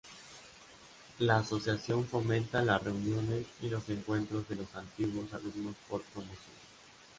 La asociación fomenta las reuniones y los encuentros de los Antiguos Alumnos por promociones.